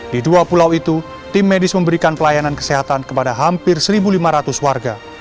di dua pulau itu tim medis memberikan pelayanan kesehatan kepada hampir satu lima ratus warga